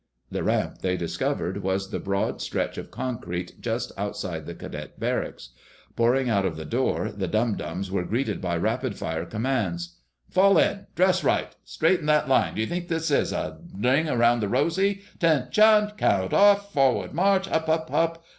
The ramp, they discovered, was the broad stretch of concrete just outside the cadet barracks. Pouring out of the door, the dum dums were greeted by rapid fire commands: "Fall in! Dress, right! Straighten that line d'you think this is a ring around the rosy? 'Ten shun! Count off! Forwar r rd, march! Hup, hup, hup!